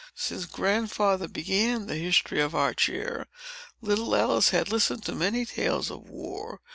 Since Grandfather began the history of our chair, little Alice had listened to many tales of war.